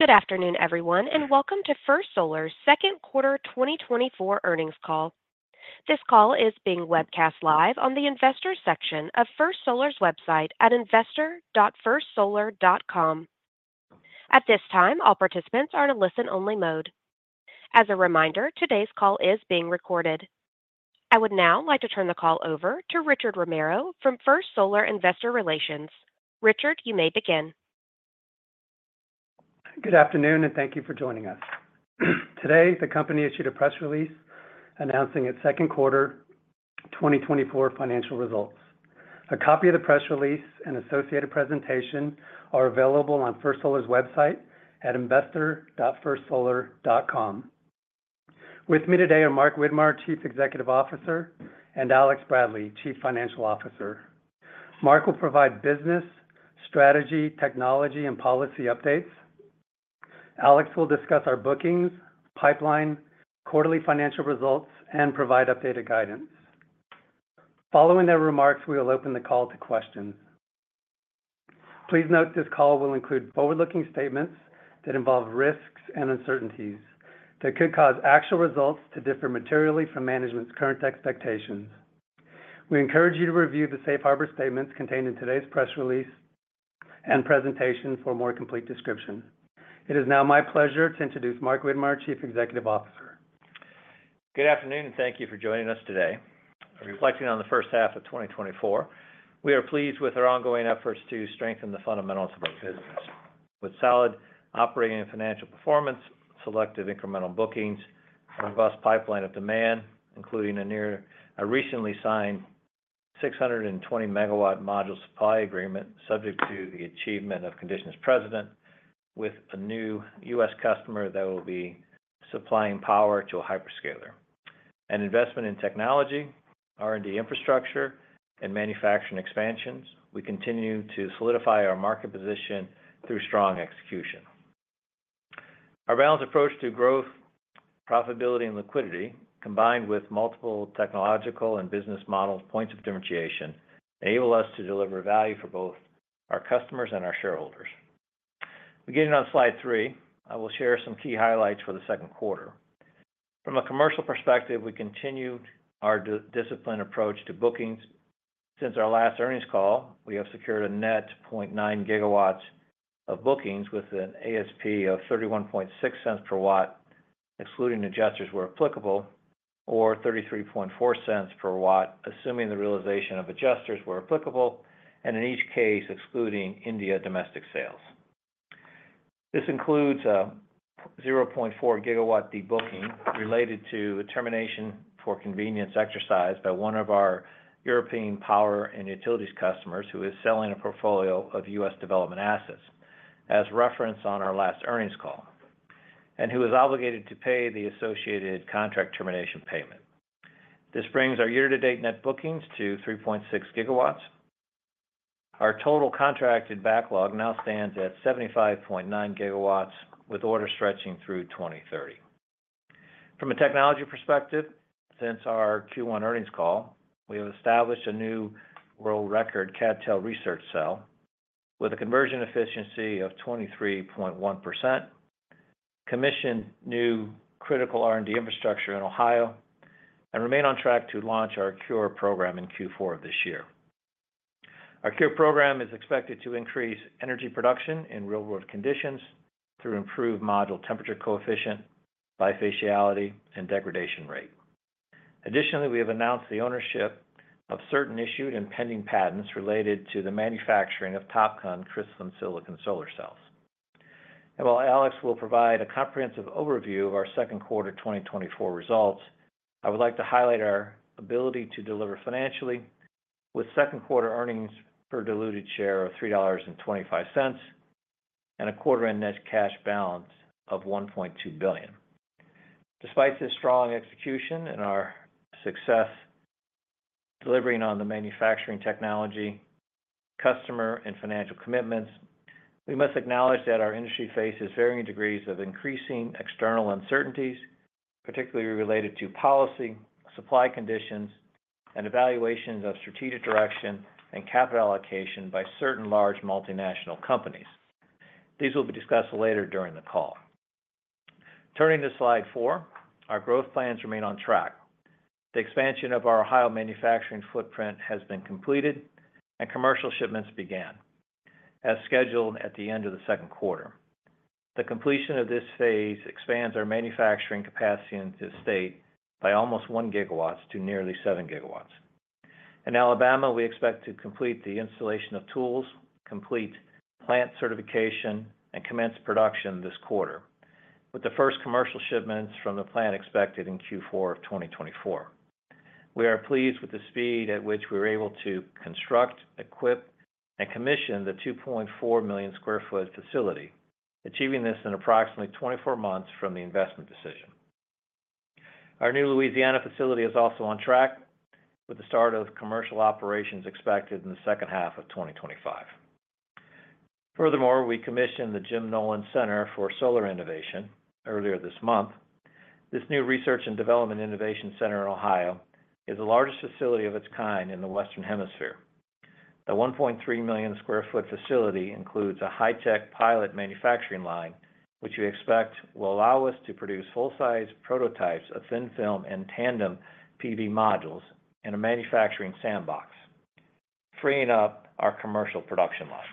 Good afternoon, everyone, and welcome to First Solar's second quarter 2024 earnings call. This call is being webcast live on the investor section of First Solar's website at investor.firstsolar.com. At this time, all participants are in a listen-only mode. As a reminder, today's call is being recorded. I would now like to turn the call over to Richard Romero from First Solar Investor Relations. Richard, you may begin. Good afternoon, and thank you for joining us. Today, the company issued a press release announcing its second quarter 2024 financial results. A copy of the press release and associated presentation are available on First Solar's website at investor.firstsolar.com. With me today are Mark Widmar, Chief Executive Officer, and Alex Bradley, Chief Financial Officer. Mark will provide business, strategy, technology, and policy updates. Alex will discuss our bookings, pipeline, quarterly financial results, and provide updated guidance. Following their remarks, we will open the call to questions. Please note this call will include forward-looking statements that involve risks and uncertainties that could cause actual results to differ materially from management's current expectations. We encourage you to review the safe harbor statements contained in today's press release and presentation for a more complete description. It is now my pleasure to introduce Mark Widmar, Chief Executive Officer. Good afternoon, and thank you for joining us today. Reflecting on the first half of 2024, we are pleased with our ongoing efforts to strengthen the fundamentals of our business with solid operating and financial performance, selective incremental bookings, robust pipeline of demand, including a recently signed 620-MW module supply agreement subject to the achievement of conditions precedent, with a new U.S. customer that will be supplying power to a hyperscaler. Investment in technology, R&D infrastructure, and manufacturing expansions, we continue to solidify our market position through strong execution. Our balanced approach to growth, profitability, and liquidity, combined with multiple technological and business model points of differentiation, enables us to deliver value for both our customers and our shareholders. Beginning on slide three, I will share some key highlights for the second quarter. From a commercial perspective, we continue our disciplined approach to bookings. Since our last earnings call, we have secured a net 0.9 GW of bookings with an ASP of $0.316 per watt, excluding adjusters where applicable, or $0.334 per watt, assuming the realization of adjusters where applicable, and in each case, excluding India domestic sales. This includes a 0.4 gigawatt de-booking related to a termination for convenience exercised by one of our European power and utilities customers who is selling a portfolio of U.S. development assets, as referenced on our last earnings call, and who is obligated to pay the associated contract termination payment. This brings our year-to-date net bookings to 3.6 GW. Our total contracted backlog now stands at 75.9 GW, with orders stretching through 2030. From a technology perspective, since our Q1 earnings call, we have established a new world record CdTe research cell with a conversion efficiency of 23.1%, commissioned new critical R&D infrastructure in Ohio, and remain on track to launch our CuRe program in Q4 of this year. Our CuRe program is expected to increase energy production in real-world conditions through improved module temperature coefficient, bifaciality, and degradation rate. Additionally, we have announced the ownership of certain issued and pending patents related to the manufacturing of TOPCon crystalline silicon solar cells. And while Alex will provide a comprehensive overview of our second quarter 2024 results, I would like to highlight our ability to deliver financially with second quarter earnings per diluted share of $3.25 and a quarter-end net cash balance of $1.2 billion. Despite this strong execution and our success delivering on the manufacturing technology, customer, and financial commitments, we must acknowledge that our industry faces varying degrees of increasing external uncertainties, particularly related to policy, supply conditions, and evaluations of strategic direction and capital allocation by certain large multinational companies. These will be discussed later during the call. Turning to slide 4, our growth plans remain on track. The expansion of our Ohio manufacturing footprint has been completed, and commercial shipments began as scheduled at the end of the second quarter. The completion of this phase expands our manufacturing capacity in the state by almost 1 GW to nearly 7 GW. In Alabama, we expect to complete the installation of tools, complete plant certification, and commence production this quarter, with the first commercial shipments from the plant expected in Q4 of 2024. We are pleased with the speed at which we were able to construct, equip, and commission the 2.4 million sq ft facility, achieving this in approximately 24 months from the investment decision. Our new Louisiana facility is also on track with the start of commercial operations expected in the second half of 2025. Furthermore, we commissioned the Jim Nolan Center for Solar Innovation earlier this month. This new research and development innovation center in Ohio is the largest facility of its kind in the Western Hemisphere. The 1.3 million sq ft facility includes a high-tech pilot manufacturing line, which we expect will allow us to produce full-size prototypes of thin film and tandem PV modules in a manufacturing sandbox, freeing up our commercial production lines.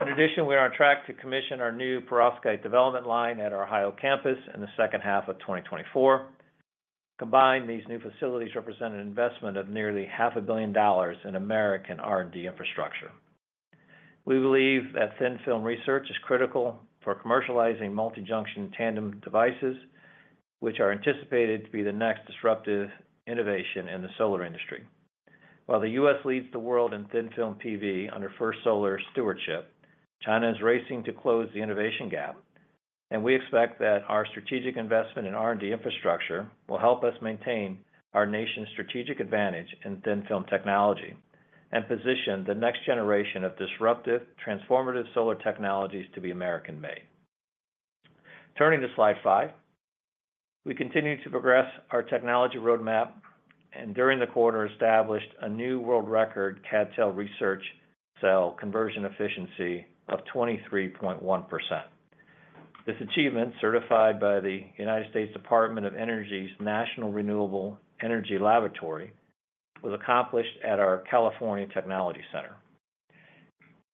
In addition, we are on track to commission our new perovskite development line at our Ohio campus in the second half of 2024. Combined, these new facilities represent an investment of nearly $500 million in American R&D infrastructure. We believe that thin film research is critical for commercializing multi-junction tandem devices, which are anticipated to be the next disruptive innovation in the solar industry. While the U.S. leads the world in thin film PV under First Solar's stewardship, China is racing to close the innovation gap, and we expect that our strategic investment in R&D infrastructure will help us maintain our nation's strategic advantage in thin film technology and position the next generation of disruptive, transformative solar technologies to be American-made. Turning to slide five, we continue to progress our technology roadmap and, during the quarter, established a new world record CdTe research cell conversion efficiency of 23.1%. This achievement, certified by the United States Department of Energy's National Renewable Energy Laboratory, was accomplished at our California Technology Center.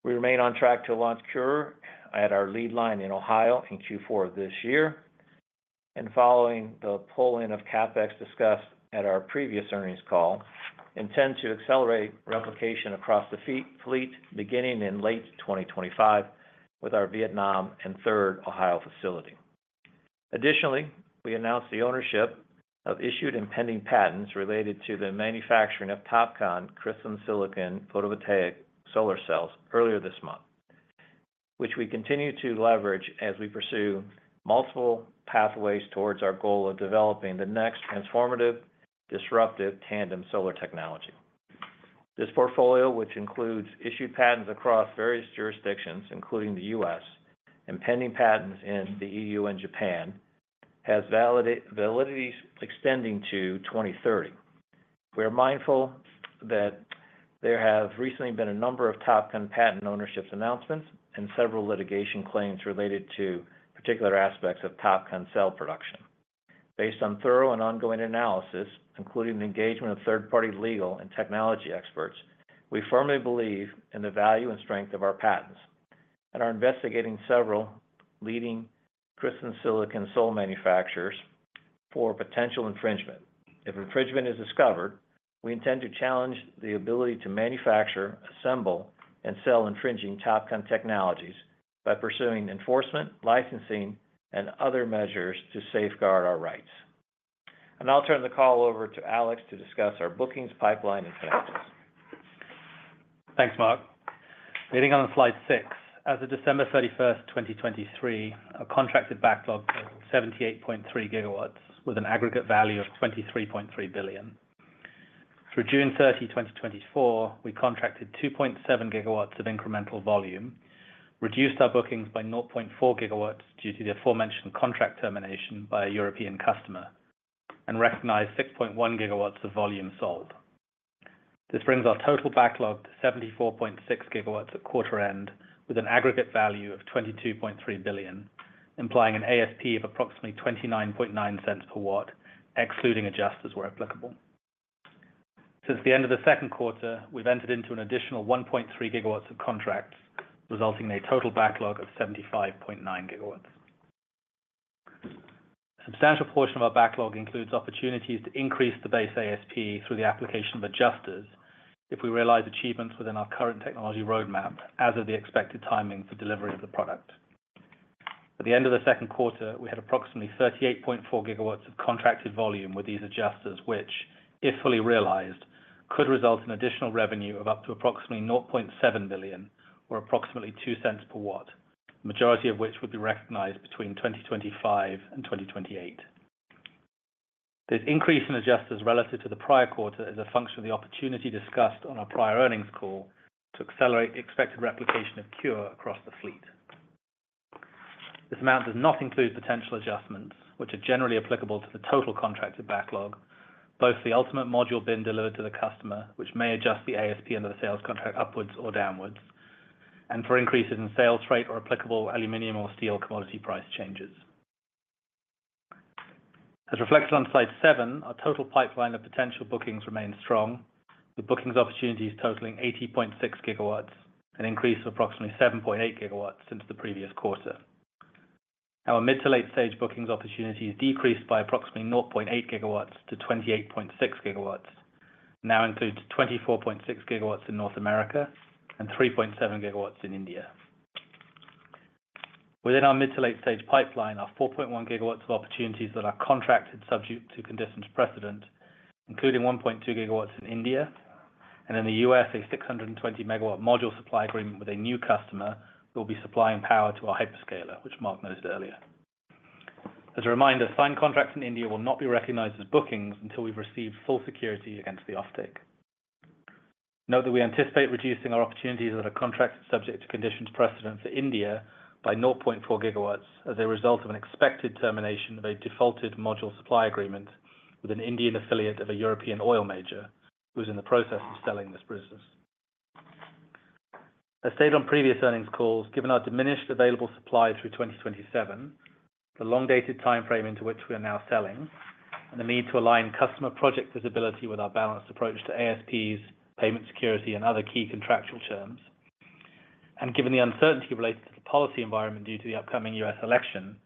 We remain on track to launch CuRe at our lead line in Ohio in Q4 of this year. Following the pull-in of CapEx discussed at our previous earnings call, we intend to accelerate replication across the fleet, beginning in late 2025 with our Vietnam and third Ohio facility. Additionally, we announced the ownership of issued and pending patents related to the manufacturing of TOPCon crystalline silicon photovoltaic solar cells earlier this month, which we continue to leverage as we pursue multiple pathways towards our goal of developing the next transformative, disruptive tandem solar technology. This portfolio, which includes issued patents across various jurisdictions, including the U.S., and pending patents in the E.U. and Japan, has validity extending to 2030. We are mindful that there have recently been a number of TOPCon patent ownership announcements and several litigation claims related to particular aspects of TOPCon cell production. Based on thorough and ongoing analysis, including the engagement of third-party legal and technology experts, we firmly believe in the value and strength of our patents. And are investigating several leading crystalline silicon solar manufacturers for potential infringement. If infringement is discovered, we intend to challenge the ability to manufacture, assemble, and sell infringing TOPCon technologies by pursuing enforcement, licensing, and other measures to safeguard our rights. And I'll turn the call over to Alex to discuss our bookings, pipeline, and connections. Thanks, Mark. Beginning on slide six, as of December 31st, 2023, our contracted backlog was 78.3 GW with an aggregate value of $23.3 billion. Through June 30, 2024, we contracted 2.7 GW of incremental volume, reduced our bookings by 0.4 GW due to the aforementioned contract termination by a European customer, and recognized 6.1 GW of volume sold. This brings our total backlog to 74.6 GW at quarter end with an aggregate value of $22.3 billion, implying an ASP of approximately $0.299 per watt, excluding adjusters where applicable. Since the end of the second quarter, we've entered into an additional 1.3 GW of contracts, resulting in a total backlog of 75.9 GW. A substantial portion of our backlog includes opportunities to increase the base ASP through the application of adjusters if we realize achievements within our current technology roadmap as of the expected timing for delivery of the product. At the end of the second quarter, we had approximately 38.4 GW of contracted volume with these adjusters, which, if fully realized, could result in additional revenue of up to approximately $0.7 billion or approximately $0.02 per watt, the majority of which would be recognized between 2025 and 2028. This increase in adjusters relative to the prior quarter is a function of the opportunity discussed on our prior earnings call to accelerate expected replication of CuRe across the fleet. This amount does not include potential adjustments, which are generally applicable to the total contracted backlog, both the ultimate module bin delivered to the customer, which may adjust the ASP under the sales contract upwards or downwards, and for increases in sales rate or applicable aluminum or steel commodity price changes. As reflected on slide seven, our total pipeline of potential bookings remains strong, with bookings opportunities totaling 80.6 GW, an increase of approximately 7.8 GW since the previous quarter. Our mid to late-stage bookings opportunities decreased by approximately 0.8 GW to 28.6 GW, now includes 24.6 GW in North America and 3.7 GW in India. Within our mid to late-stage pipeline, our 4.1 GW of opportunities that are contracted subject to conditions precedent, including 1.2 GW in India, and in the U.S., a 620-MW module supply agreement with a new customer that will be supplying power to our hyperscaler, which Mark noted earlier. As a reminder, signed contracts in India will not be recognized as bookings until we've received full security against the offtake. Note that we anticipate reducing our opportunities that are contracted subject to conditions precedent for India by 0.4 GW as a result of an expected termination of a defaulted module supply agreement with an Indian affiliate of a European oil major who is in the process of selling this business. As stated on previous earnings calls, given our diminished available supply through 2027, the long-dated timeframe into which we are now selling, and the need to align customer project visibility with our balanced approach to ASPs, payment security, and other key contractual terms, and given the uncertainty related to the policy environment due to the upcoming U.S. election,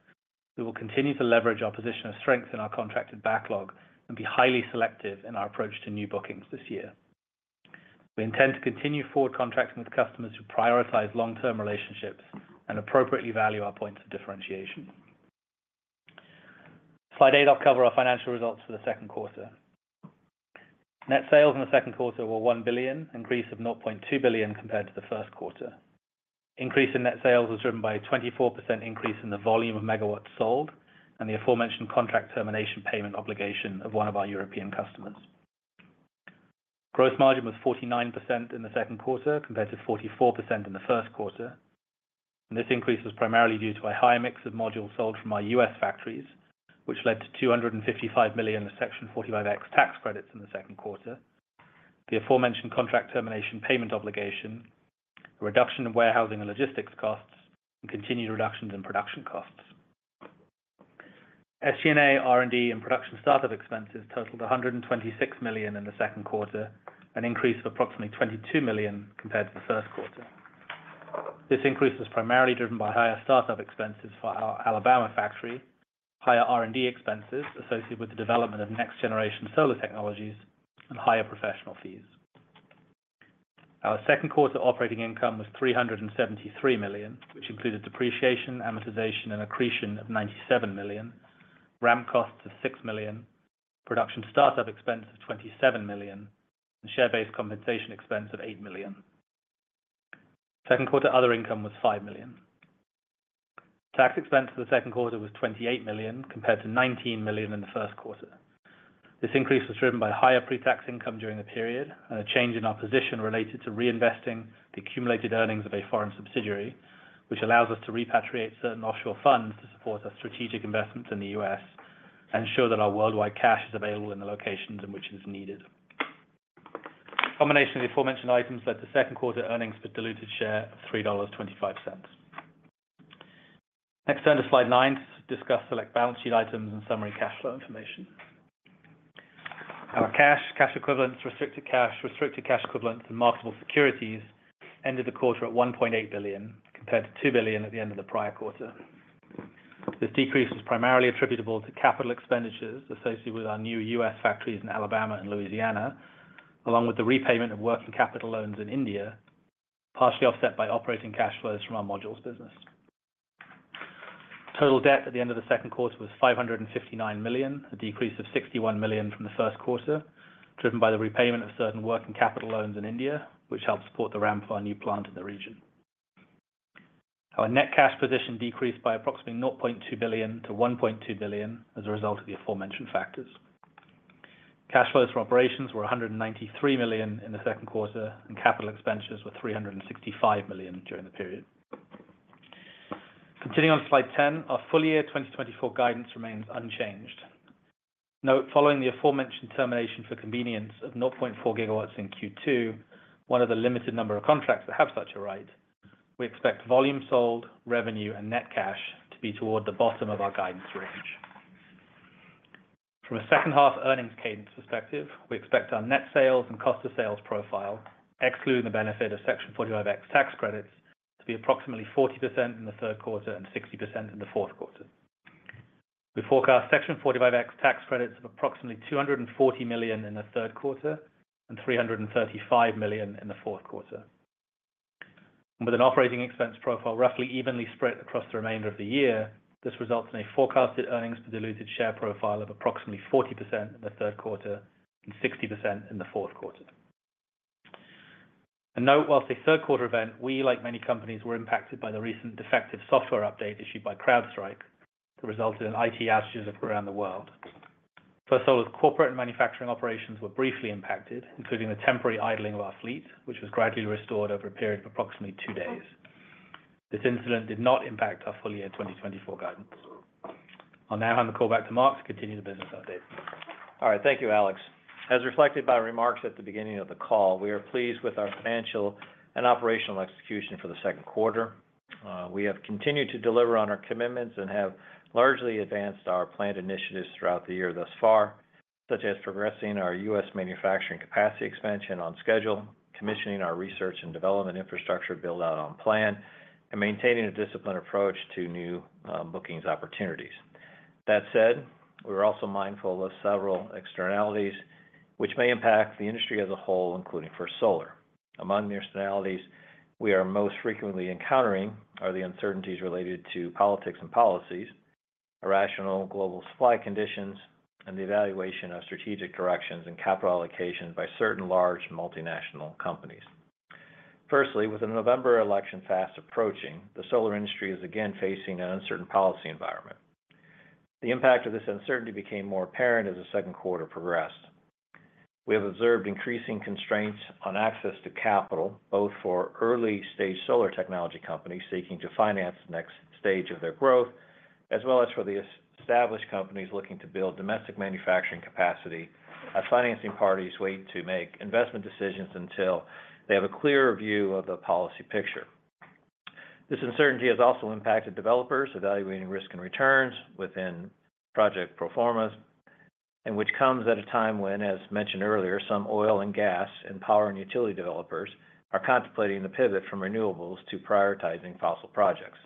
we will continue to leverage our position of strength in our contracted backlog and be highly selective in our approach to new bookings this year. We intend to continue forward contracting with customers who prioritize long-term relationships and appropriately value our points of differentiation. Slide eight will cover our financial results for the second quarter. Net sales in the second quarter were $1 billion, an increase of $0.2 billion compared to the first quarter. Increase in net sales was driven by a 24% increase in the volume of megawatts sold and the aforementioned contract termination payment obligation of one of our European customers. Gross margin was 49% in the second quarter compared to 44% in the first quarter. This increase was primarily due to a high mix of modules sold from our U.S. factories, which led to $255 million Section 45X tax credits in the second quarter, the aforementioned contract termination payment obligation, a reduction in warehousing and logistics costs, and continued reductions in production costs. SG&A R&D and production startup expenses totaled $126 million in the second quarter, an increase of approximately $22 million compared to the first quarter. This increase was primarily driven by higher startup expenses for our Alabama factory, higher R&D expenses associated with the development of next-generation solar technologies, and higher professional fees. Our second quarter operating income was $373 million, which included depreciation, amortization, and accretion of $97 million, ramp costs of $6 million, production startup expense of $27 million, and share-based compensation expense of $8 million. Second quarter other income was $5 million. Tax expense for the second quarter was $28 million compared to $19 million in the first quarter. This increase was driven by higher pre-tax income during the period and a change in our position related to reinvesting the accumulated earnings of a foreign subsidiary, which allows us to repatriate certain offshore funds to support our strategic investments in the U.S. and ensure that our worldwide cash is available in the locations in which it is needed. Combination of the aforementioned items led to second quarter earnings per diluted share of $3.25. Next, turn to slide nine to discuss select balance sheet items and summary cash flow information. Our cash, cash equivalents, restricted cash, restricted cash equivalents, and marketable securities ended the quarter at $1.8 billion compared to $2 billion at the end of the prior quarter. This decrease was primarily attributable to capital expenditures associated with our new U.S. factories in Alabama and Louisiana, along with the repayment of working capital loans in India, partially offset by operating cash flows from our modules business. Total debt at the end of the second quarter was $559 million, a decrease of $61 million from the first quarter, driven by the repayment of certain working capital loans in India, which helped support the ramp for our new plant in the region. Our net cash position decreased by approximately $0.2 billion to $1.2 billion as a result of the aforementioned factors. Cash flows from operations were $193 million in the second quarter, and capital expenditures were $365 million during the period. Continuing on slide 10, our full year 2024 guidance remains unchanged. Note following the aforementioned termination for convenience of 0.4 GW in Q2, one of the limited number of contracts that have such a right, we expect volume sold, revenue, and net cash to be toward the bottom of our guidance range. From a second-half earnings cadence perspective, we expect our net sales and cost of sales profile, excluding the benefit of Section 45X tax credits, to be approximately 40% in the third quarter and 60% in the fourth quarter. We forecast Section 45X tax credits of approximately $240 million in the third quarter and $335 million in the fourth quarter. With an operating expense profile roughly evenly spread across the remainder of the year, this results in a forecasted earnings-to-diluted share profile of approximately 40% in the third quarter and 60% in the fourth quarter. Note, while a third-quarter event, we, like many companies, were impacted by the recent defective software update issued by CrowdStrike that resulted in IT outages all around the world. First Solar's corporate and manufacturing operations were briefly impacted, including the temporary idling of our fleet, which was gradually restored over a period of approximately two days. This incident did not impact our full year 2024 guidance. I'll now hand the call back to Mark to continue the business update. All right. Thank you, Alex. As reflected by remarks at the beginning of the call, we are pleased with our financial and operational execution for the second quarter. We have continued to deliver on our commitments and have largely advanced our planned initiatives throughout the year thus far, such as progressing our U.S. manufacturing capacity expansion on schedule, commissioning our research and development infrastructure build-out on plan, and maintaining a disciplined approach to new bookings opportunities. That said, we are also mindful of several externalities, which may impact the industry as a whole, including First Solar. Among the externalities we are most frequently encountering are the uncertainties related to politics and policies, irrational global supply conditions, and the evaluation of strategic directions and capital allocation by certain large multinational companies. Firstly, with the November election fast approaching, the solar industry is again facing an uncertain policy environment. The impact of this uncertainty became more apparent as the second quarter progressed. We have observed increasing constraints on access to capital, both for early-stage solar technology companies seeking to finance the next stage of their growth, as well as for the established companies looking to build domestic manufacturing capacity, as financing parties wait to make investment decisions until they have a clearer view of the policy picture. This uncertainty has also impacted developers evaluating risk and returns within project pro formas, which comes at a time when, as mentioned earlier, some oil and gas and power and utility developers are contemplating the pivot from renewables to prioritizing fossil projects.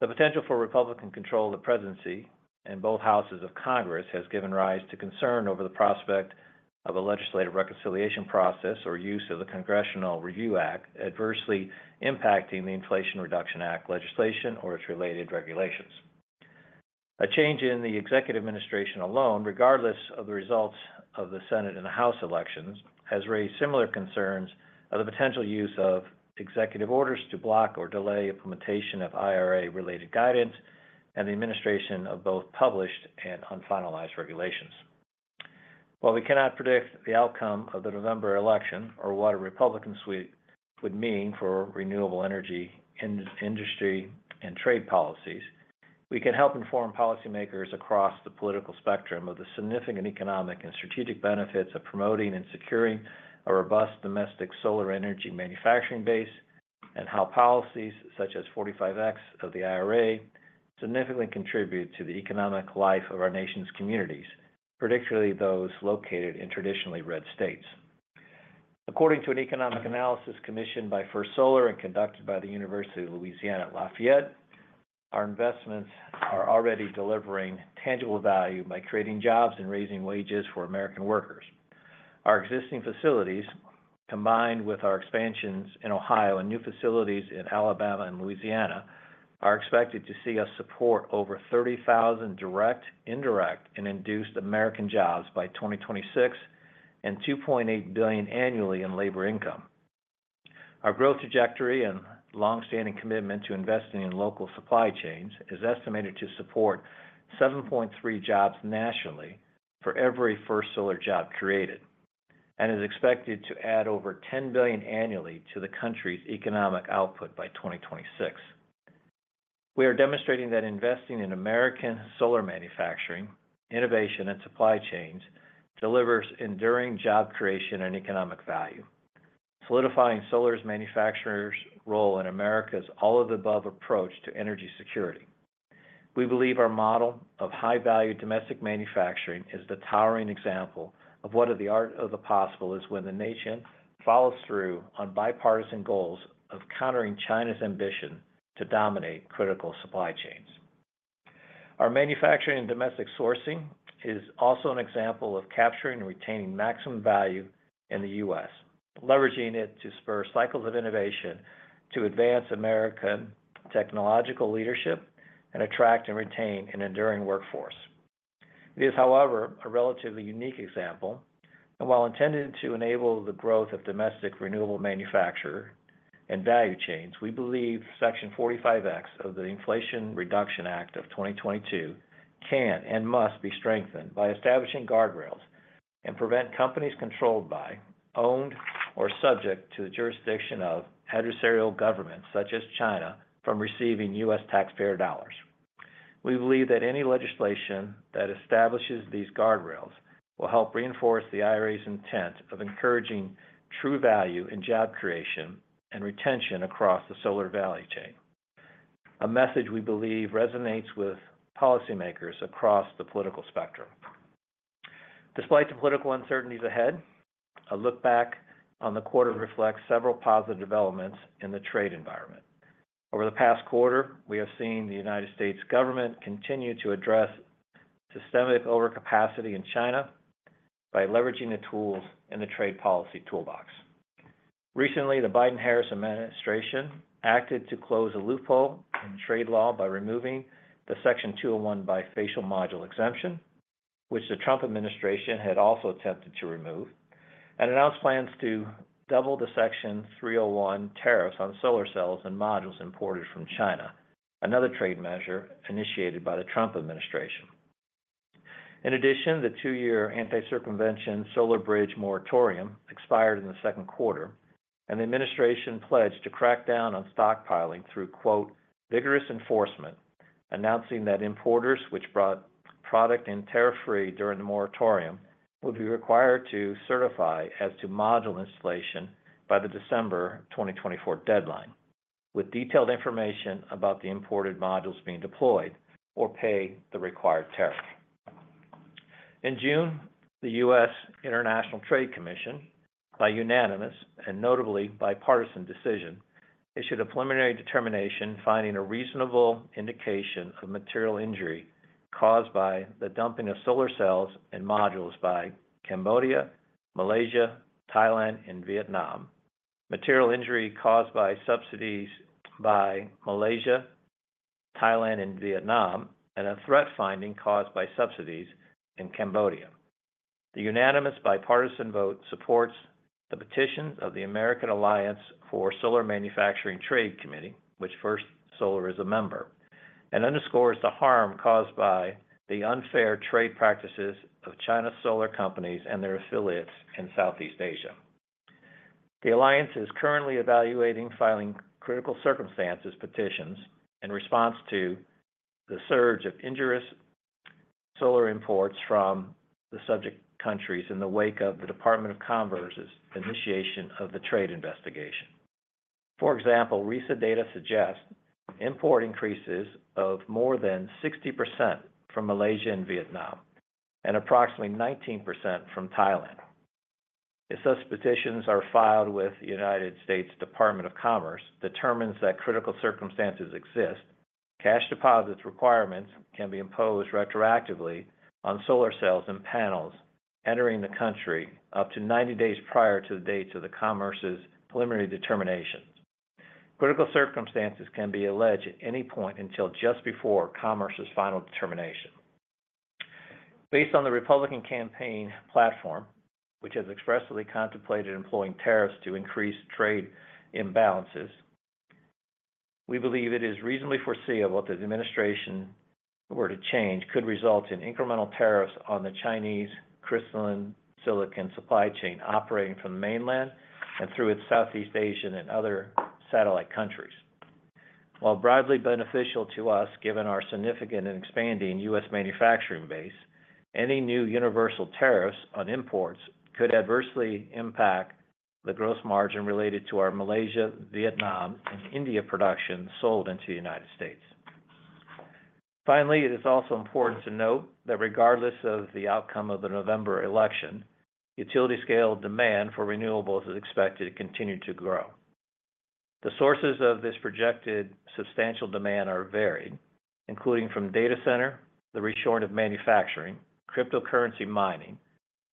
The potential for Republican control of the presidency in both houses of Congress has given rise to concern over the prospect of a legislative reconciliation process or use of the Congressional Review Act adversely impacting the Inflation Reduction Act legislation or its related regulations. A change in the executive administration alone, regardless of the results of the Senate and the House elections, has raised similar concerns of the potential use of executive orders to block or delay implementation of IRA-related guidance and the administration of both published and unfinalized regulations. While we cannot predict the outcome of the November election or what a Republican sweep would mean for renewable energy industry and trade policies, we can help inform policymakers across the political spectrum of the significant economic and strategic benefits of promoting and securing a robust domestic solar energy manufacturing base and how policies such as 45X of the IRA significantly contribute to the economic life of our nation's communities, particularly those located in traditionally red states. According to an economic analysis commissioned by First Solar and conducted by the University of Louisiana at Lafayette, our investments are already delivering tangible value by creating jobs and raising wages for American workers. Our existing facilities, combined with our expansions in Ohio and new facilities in Alabama and Louisiana, are expected to see us support over 30,000 direct, indirect, and induced American jobs by 2026 and $2.8 billion annually in labor income. Our growth trajectory and long-standing commitment to investing in local supply chains is estimated to support 7.3 jobs nationally for every First Solar job created and is expected to add over $10 billion annually to the country's economic output by 2026. We are demonstrating that investing in American solar manufacturing, innovation, and supply chains delivers enduring job creation and economic value, solidifying First Solar's manufacturer's role in America's all-of-the-above approach to energy security. We believe our model of high-value domestic manufacturing is the towering example of what the art of the possible is when the nation follows through on bipartisan goals of countering China's ambition to dominate critical supply chains. Our manufacturing and domestic sourcing is also an example of capturing and retaining maximum value in the U.S., leveraging it to spur cycles of innovation to advance American technological leadership and attract and retain an enduring workforce. It is, however, a relatively unique example, and while intended to enable the growth of domestic renewable manufacturer and value chains, we believe Section 45X of the Inflation Reduction Act of 2022 can and must be strengthened by establishing guardrails and prevent companies controlled by, owned, or subject to the jurisdiction of adversarial governments such as China from receiving U.S. taxpayer dollars. We believe that any legislation that establishes these guardrails will help reinforce the IRA's intent of encouraging true value in job creation and retention across the solar value chain, a message we believe resonates with policymakers across the political spectrum. Despite the political uncertainties ahead, a look back on the quarter reflects several positive developments in the trade environment. Over the past quarter, we have seen the United States government continue to address systemic overcapacity in China by leveraging the tools in the trade policy toolbox. Recently, the Biden-Harris administration acted to close a loophole in trade law by removing the Section 201 bifacial module exemption, which the Trump administration had also attempted to remove, and announced plans to double the Section 301 tariffs on solar cells and modules imported from China, another trade measure initiated by the Trump administration. In addition, the two-year anti-circumvention solar bridge moratorium expired in the second quarter, and the administration pledged to crack down on stockpiling through "vigorous enforcement," announcing that importers which brought product in tariff-free during the moratorium would be required to certify as to module installation by the December 2024 deadline, with detailed information about the imported modules being deployed or pay the required tariff. In June, the U.S. International Trade Commission, by unanimous and notably bipartisan decision, issued a preliminary determination finding a reasonable indication of material injury caused by the dumping of solar cells and modules by Cambodia, Malaysia, Thailand, and Vietnam, material injury caused by subsidies by Malaysia, Thailand, and Vietnam, and a threat finding caused by subsidies in Cambodia. The unanimous bipartisan vote supports the petition of the American Alliance for Solar Manufacturing Trade Committee, which First Solar is a member, and underscores the harm caused by the unfair trade practices of Chinese solar companies and their affiliates in Southeast Asia. The alliance is currently evaluating filing critical circumstances petitions in response to the surge of injurious solar imports from the subject countries in the wake of the U.S. Department of Commerce's initiation of the trade investigation. For example, recent data suggest import increases of more than 60% from Malaysia and Vietnam and approximately 19% from Thailand. If such petitions are filed with the United States Department of Commerce, determines that critical circumstances exist, cash deposit requirements can be imposed retroactively on solar cells and panels entering the country up to 90 days prior to the dates of the Commerce's preliminary determinations. Critical circumstances can be alleged at any point until just before Commerce's final determination. Based on the Republican campaign platform, which has expressly contemplated employing tariffs to increase trade imbalances, we believe it is reasonably foreseeable that the administration were to change, could result in incremental tariffs on the Chinese crystalline silicon supply chain operating from the mainland and through its Southeast Asian and other satellite countries. While broadly beneficial to us, given our significant and expanding U.S. manufacturing base, any new universal tariffs on imports could adversely impact the gross margin related to our Malaysia, Vietnam, and India production sold into the United States. Finally, it is also important to note that regardless of the outcome of the November election, utility-scale demand for renewables is expected to continue to grow. The sources of this projected substantial demand are varied, including from data center, the reshoring of manufacturing, cryptocurrency mining,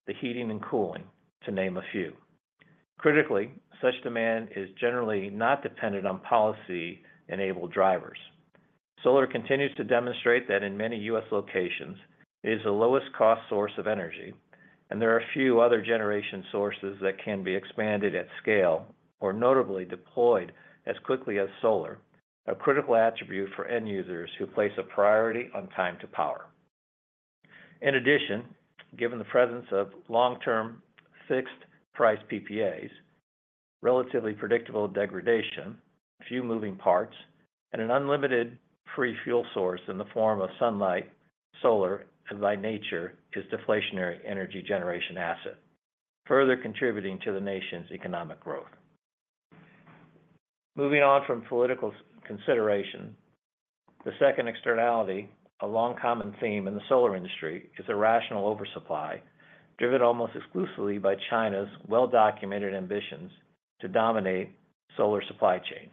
the heating and cooling, to name a few. Critically, such demand is generally not dependent on policy-enabled drivers. Solar continues to demonstrate that in many U.S. locations, it is the lowest cost source of energy, and there are a few other generation sources that can be expanded at scale or notably deployed as quickly as solar, a critical attribute for end users who place a priority on time to power. In addition, given the presence of long-term fixed-price PPAs, relatively predictable degradation, few moving parts, and an unlimited free fuel source in the form of sunlight, solar, and by nature is deflationary energy generation asset, further contributing to the nation's economic growth. Moving on from political consideration, the second externality, a long-common theme in the solar industry, is irrational oversupply driven almost exclusively by China's well-documented ambitions to dominate solar supply chains.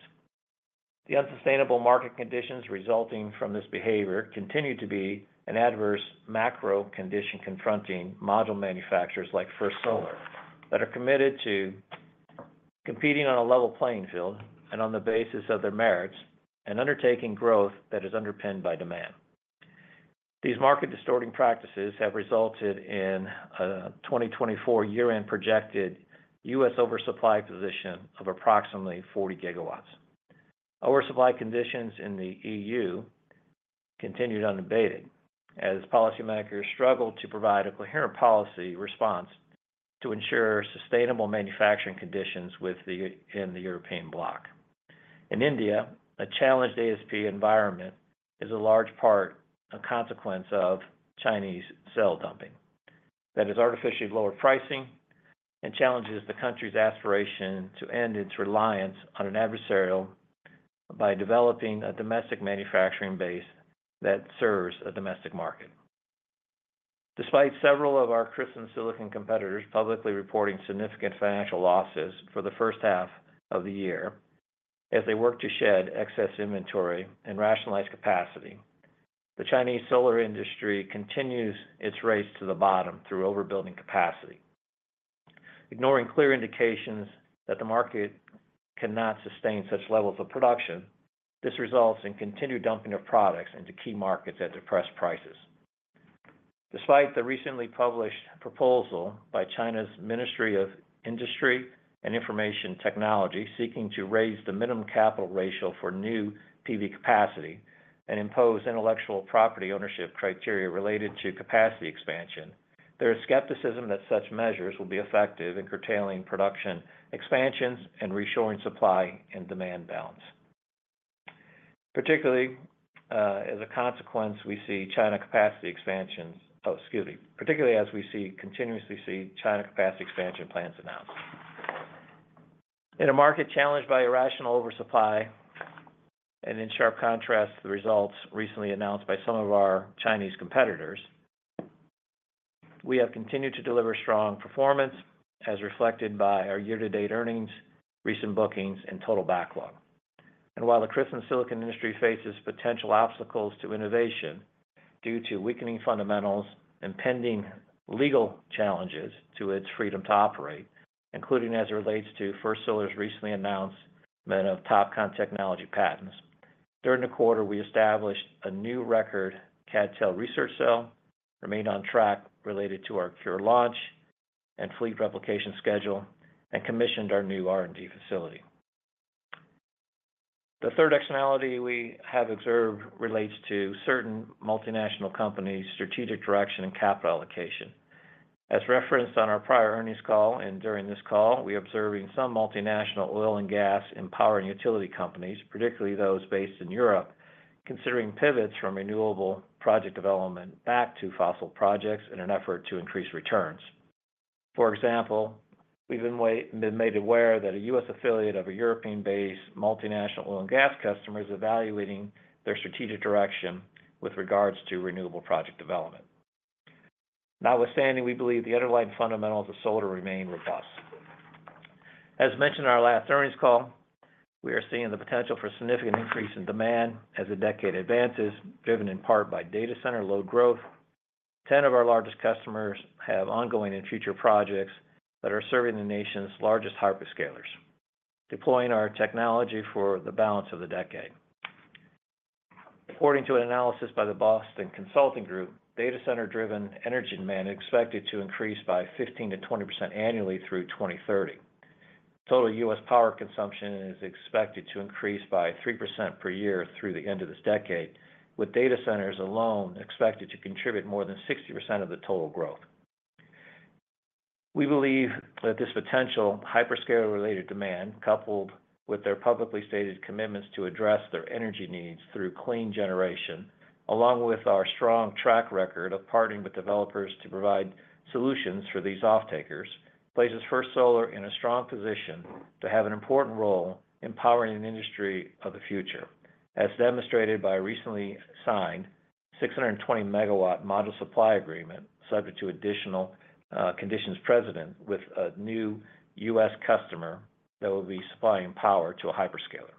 The unsustainable market conditions resulting from this behavior continue to be an adverse macro condition confronting module manufacturers like First Solar that are committed to competing on a level playing field and on the basis of their merits and undertaking growth that is underpinned by demand. These market-distorting practices have resulted in a 2024 year-end projected U.S. oversupply position of approximately 40 GW. Oversupply conditions in the EU continue to be debated as policymakers struggle to provide a coherent policy response to ensure sustainable manufacturing conditions in the European bloc. In India, a challenged ASP environment is in large part a consequence of Chinese cell dumping that has artificially lowered pricing and challenges the country's aspiration to end its reliance on an adversary by developing a domestic manufacturing base that serves a domestic market. Despite several of our crystalline silicon competitors publicly reporting significant financial losses for the first half of the year as they work to shed excess inventory and rationalize capacity, the Chinese solar industry continues its race to the bottom through overbuilding capacity. Ignoring clear indications that the market cannot sustain such levels of production, this results in continued dumping of products into key markets at depressed prices. Despite the recently published proposal by China's Ministry of Industry and Information Technology seeking to raise the minimum capital ratio for new PV capacity and impose intellectual property ownership criteria related to capacity expansion, there is skepticism that such measures will be effective in curtailing production expansions and reshoring supply and demand balance. Particularly as we continuously see China capacity expansion plans announced. In a market challenged by irrational oversupply and in sharp contrast to the results recently announced by some of our Chinese competitors, we have continued to deliver strong performance as reflected by our year-to-date earnings, recent bookings, and total backlog. While the crystalline silicon industry faces potential obstacles to innovation due to weakening fundamentals and pending legal challenges to its freedom to operate, including as it relates to First Solar's recently announced amount of TOPCon technology patents, during the quarter, we established a new record CdTe research cell, remained on track related to our CuRe launch and fleet replication schedule, and commissioned our new R&D facility. The third externality we have observed relates to certain multinational companies' strategic direction and capital allocation. As referenced on our prior earnings call and during this call, we are observing some multinational oil and gas and power and utility companies, particularly those based in Europe, considering pivots from renewable project development back to fossil projects in an effort to increase returns. For example, we've been made aware that a U.S. affiliate of a European-based multinational oil and gas customer is evaluating their strategic direction with regards to renewable project development. That notwithstanding, we believe the underlying fundamentals of solar remain robust. As mentioned in our last earnings call, we are seeing the potential for a significant increase in demand as the decade advances, driven in part by data center load growth. 10 of our largest customers have ongoing and future projects that are serving the nation's largest hyperscalers, deploying our technology for the balance of the decade. According to an analysis by the Boston Consulting Group, data center-driven energy demand is expected to increase by 15%-20% annually through 2030. Total U.S. power consumption is expected to increase by 3% per year through the end of this decade, with data centers alone expected to contribute more than 60% of the total growth. We believe that this potential hyperscaler-related demand, coupled with their publicly stated commitments to address their energy needs through clean generation, along with our strong track record of partnering with developers to provide solutions for these off-takers, places First Solar in a strong position to have an important role in powering the industry of the future, as demonstrated by a recently signed 620-megawatt module supply agreement subject to additional conditions precedent with a new U.S. customer that will be supplying power to a hyperscaler.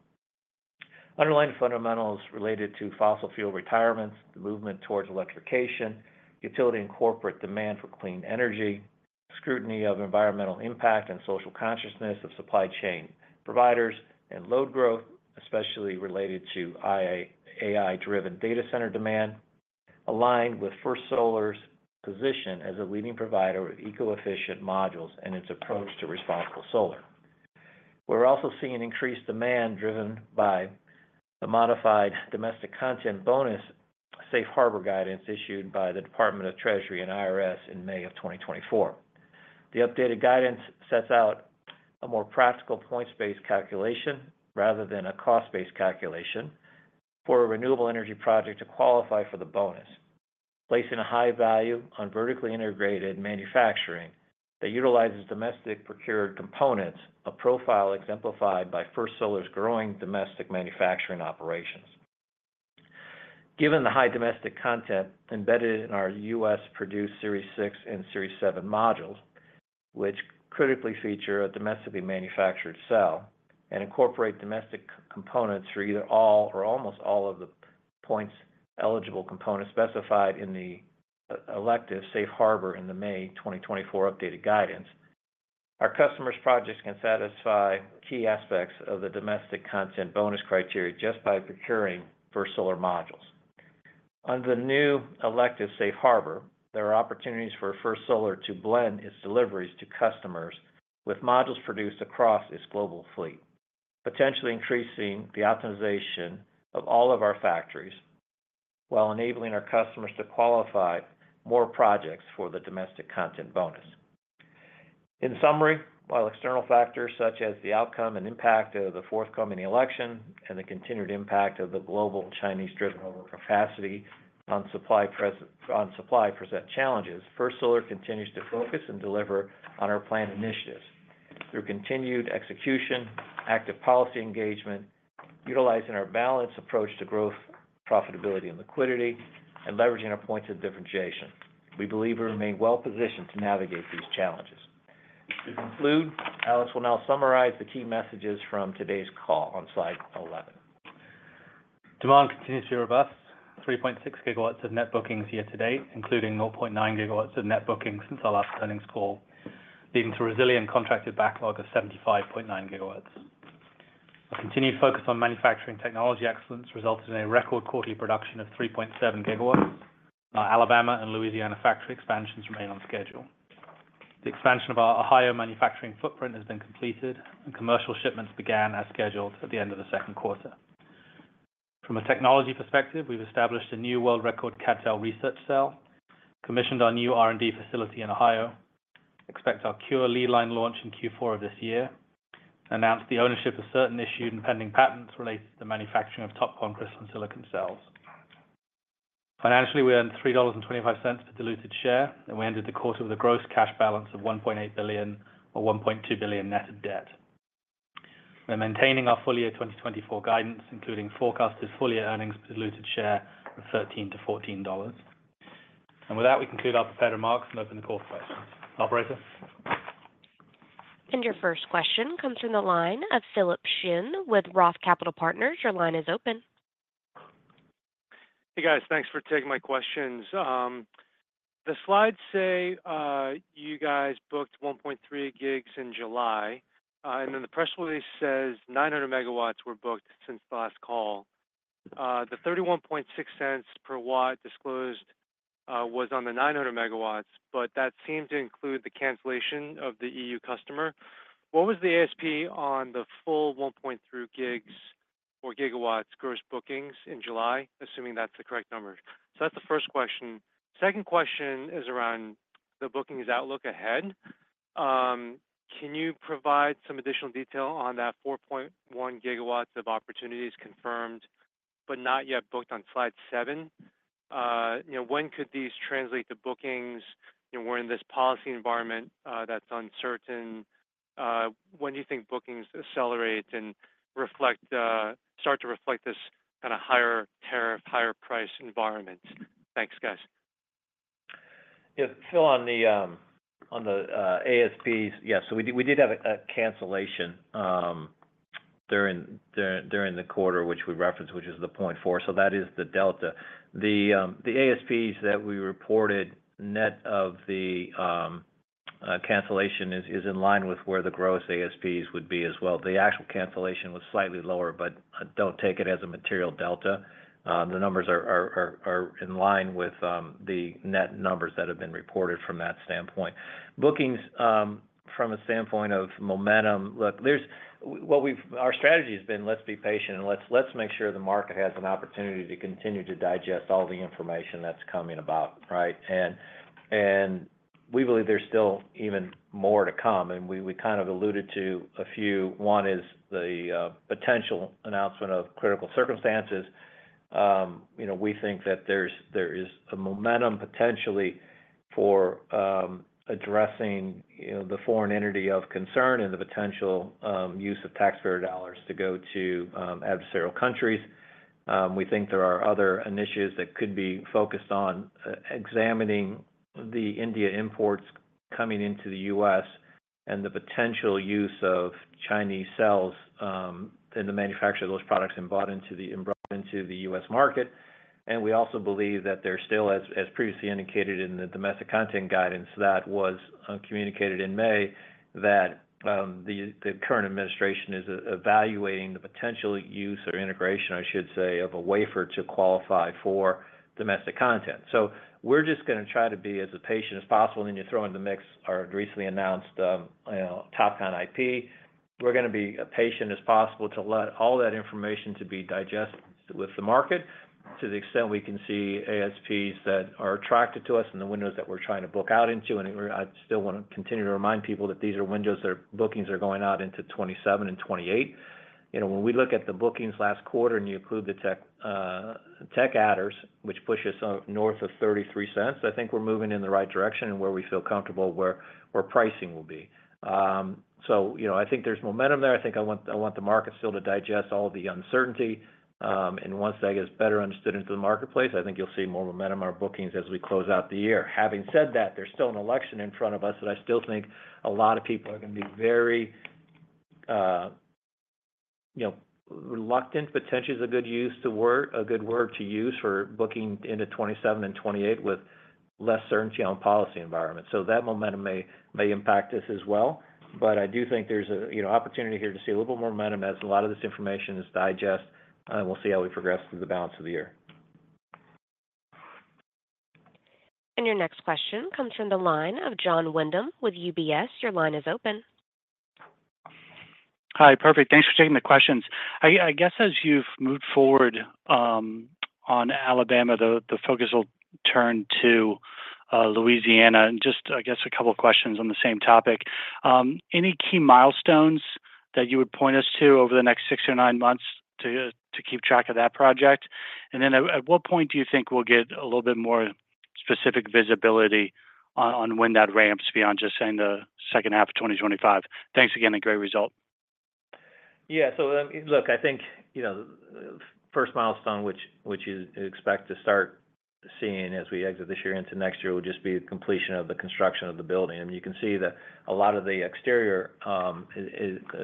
Underlying fundamentals related to fossil fuel retirements, the movement towards electrification, utility and corporate demand for clean energy, scrutiny of environmental impact and social consciousness of supply chain providers, and load growth, especially related to AI-driven data center demand, align with First Solar's position as a leading provider of eco-efficient modules and its approach to responsible solar. We're also seeing increased demand driven by the modified domestic content bonus safe harbor guidance issued by the U.S. Department of the Treasury and IRS in May of 2024. The updated guidance sets out a more practical point-based calculation rather than a cost-based calculation for a renewable energy project to qualify for the bonus, placing a high value on vertically integrated manufacturing that utilizes domestically procured components, a profile exemplified by First Solar's growing domestic manufacturing operations. Given the high domestic content embedded in our U.S.-produced Series 6 and Series 7 modules, which critically feature a domestically manufactured cell and incorporate domestic components for either all or almost all of the point-eligible components specified in the elective safe harbor in the May 2024 updated guidance, our customers' projects can satisfy key aspects of the domestic content bonus criteria just by procuring First Solar modules. On the new elective safe harbor, there are opportunities for First Solar to blend its deliveries to customers with modules produced across its global fleet, potentially increasing the optimization of all of our factories while enabling our customers to qualify more projects for the domestic content bonus. In summary, while external factors such as the outcome and impact of the forthcoming election and the continued impact of the global Chinese-driven overcapacity on supply present challenges, First Solar continues to focus and deliver on our planned initiatives through continued execution, active policy engagement, utilizing our balanced approach to growth, profitability, and liquidity, and leveraging our points of differentiation. We believe we remain well-positioned to navigate these challenges. To conclude, Alex will now summarize the key messages from today's call on slide 11. Demand continues to be robust. 3.6 GW of net bookings year-to-date, including 0.9 GW of net bookings since our last earnings call, leading to a resilient contracted backlog of 75.9 GW. A continued focus on manufacturing technology excellence resulted in a record quarterly production of 3.7 GW, and our Alabama and Louisiana factory expansions remain on schedule. The expansion of our Ohio manufacturing footprint has been completed, and commercial shipments began as scheduled at the end of the second quarter. From a technology perspective, we've established a new world record CdTe research cell, commissioned our new R&D facility in Ohio, expect our CuRe lead line launch in Q4 of this year, and announced the ownership of certain issued and pending patents related to the manufacturing of TOPCon crystalline silicon cells. Financially, we earned $3.25 per diluted share, and we entered the quarter with a gross cash balance of $1.8 billion or $1.2 billion net of debt. We're maintaining our full year 2024 guidance, including forecasted full year earnings per diluted share of $13-$14. And with that, we conclude our prepared remarks and open the call for questions. Operator. And your first question comes from the line of Philip Shen with Roth Capital Partners. Your line is open. Hey, guys. Thanks for taking my questions. The slides say you guys booked 1.3 GW in July, and then the press release says 900 MW were booked since the last call. The $0.316 per watt disclosed was on the 900 MW, but that seemed to include the cancellation of the E.U. customer. What was the ASP on the full 1.3 GW gross bookings in July, assuming that's the correct number? So that's the first question. Second question is around the bookings outlook ahead. Can you provide some additional detail on that 4.1 GW of opportunities confirmed but not yet booked on slide 7? When could these translate to bookings? We're in this policy environment that's uncertain. When do you think bookings accelerate and start to reflect this kind of higher tariff, higher price environment? Thanks, guys. Yeah. Still on the ASPs, yeah. So we did have a cancellation during the quarter, which we referenced, which is the 0.4. So that is the delta. The ASPs that we reported net of the cancellation is in line with where the gross ASPs would be as well. The actual cancellation was slightly lower, but don't take it as a material delta. The numbers are in line with the net numbers that have been reported from that standpoint. Bookings from a standpoint of momentum, look, our strategy has been, "Let's be patient, and let's make sure the market has an opportunity to continue to digest all the information that's coming about," right? And we believe there's still even more to come. And we kind of alluded to a few. One is the potential announcement of critical circumstances. We think that there is a momentum potentially for addressing the foreign entity of concern and the potential use of taxpayer dollars to go to adversarial countries. We think there are other initiatives that could be focused on examining the India imports coming into the U.S. and the potential use of Chinese cells in the manufacture of those products and brought into the U.S. market. And we also believe that there's still, as previously indicated in the domestic content guidance that was communicated in May, that the current administration is evaluating the potential use or integration, I should say, of a wafer to qualify for domestic content. So we're just going to try to be as patient as possible, and then you throw in the mix our recently announced TOPCon IP. We're going to be as patient as possible to let all that information be digested with the market to the extent we can see ASPs that are attracted to us and the windows that we're trying to book out into. And I still want to continue to remind people that these are windows that bookings are going out into 2027 and 2028. When we look at the bookings last quarter and you include the tech adders, which push us north of $0.33, I think we're moving in the right direction and where we feel comfortable where pricing will be. So I think there's momentum there. I think I want the market still to digest all the uncertainty. And once that gets better understood into the marketplace, I think you'll see more momentum in our bookings as we close out the year. Having said that, there's still an election in front of us that I still think a lot of people are going to be very reluctant. Potentially is a good word to use for booking into 2027 and 2028 with less certainty on policy environment. So that momentum may impact us as well. But I do think there's an opportunity here to see a little bit more momentum as a lot of this information is digested, and we'll see how we progress through the balance of the year. And your next question comes from the line of Jon Windham with UBS. Your line is open. Hi. Perfect. Thanks for taking the questions. I guess as you've moved forward on Alabama, the focus will turn to Louisiana. And just, I guess, a couple of questions on the same topic. Any key milestones that you would point us to over the next six or nine months to keep track of that project? And then at what point do you think we'll get a little bit more specific visibility on when that ramps beyond just saying the second half of 2025? Thanks again and great result. Yeah. So look, I think first milestone, which you expect to start seeing as we exit this year into next year, will just be the completion of the construction of the building. You can see that a lot of the exterior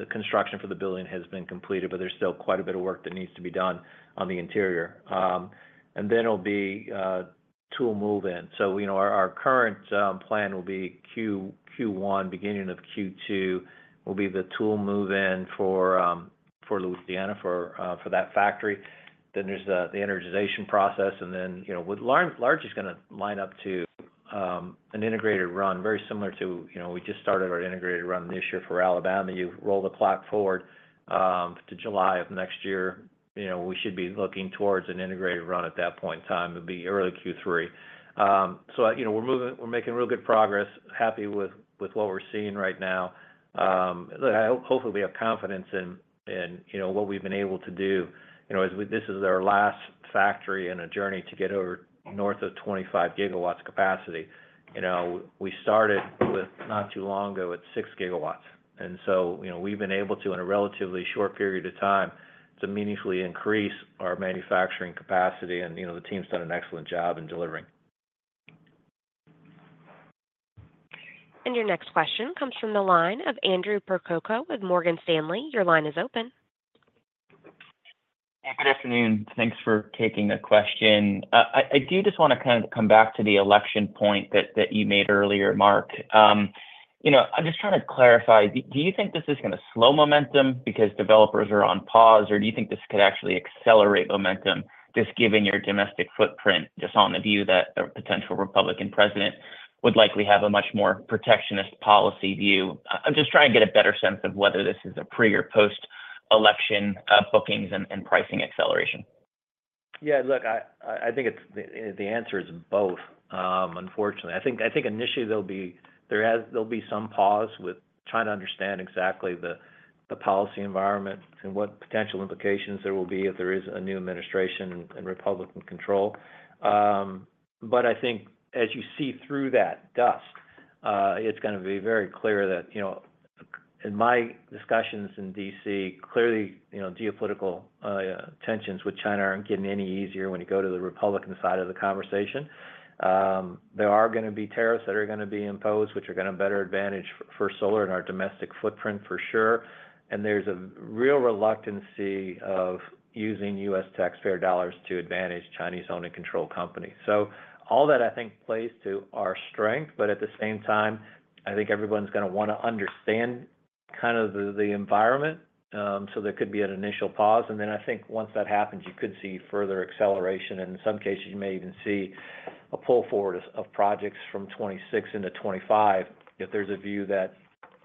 construction for the building has been completed, but there's still quite a bit of work that needs to be done on the interior. Then it'll be tool move-in. So our current plan will be Q1, beginning of Q2, will be the tool move-in for Louisiana for that factory. Then there's the energization process. And then large is going to line up to an integrated run, very similar to we just started our integrated run this year for Alabama. You roll the clock forward to July of next year. We should be looking towards an integrated run at that point in time. It'll be early Q3. So we're making real good progress, happy with what we're seeing right now. Look, hopefully, we have confidence in what we've been able to do. This is our last factory in a journey to get over north of 25 GW capacity. We started not too long ago at 6 GW. And so we've been able to, in a relatively short period of time, to meaningfully increase our manufacturing capacity. And the team's done an excellent job in delivering. And your next question comes from the line of Andrew Percoco with Morgan Stanley. Your line is open. Hey, good afternoon. Thanks for taking the question. I do just want to kind of come back to the election point that you made earlier, Mark. I'm just trying to clarify. Do you think this is going to slow momentum because developers are on pause, or do you think this could actually accelerate momentum, just given your domestic footprint, just on the view that a potential Republican president would likely have a much more protectionist policy view? I'm just trying to get a better sense of whether this is a pre- or post-election bookings and pricing acceleration. Yeah. Look, I think the answer is both, unfortunately. I think initially there'll be some pause with trying to understand exactly the policy environment and what potential implications there will be if there is a new administration and Republican control. But I think as you see through that dust, it's going to be very clear that in my discussions in D.C., clearly geopolitical tensions with China aren't getting any easier when you go to the Republican side of the conversation. There are going to be tariffs that are going to be imposed, which are going to better advantage First Solar and our domestic footprint for sure. And there's a real reluctance of using U.S. taxpayer dollars to advantage Chinese-owned and controlled companies. So all that, I think, plays to our strength. But at the same time, I think everyone's going to want to understand kind of the environment. So there could be an initial pause. And then I think once that happens, you could see further acceleration. And in some cases, you may even see a pull forward of projects from 2026 into 2025 if there's a view that